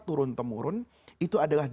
turun temurun itu adalah